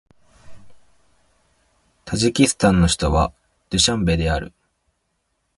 タジキスタンの首都はドゥシャンベである